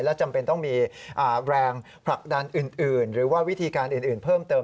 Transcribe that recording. และจำเป็นต้องมีแรงผลักดันอื่นหรือว่าวิธีการอื่นเพิ่มเติม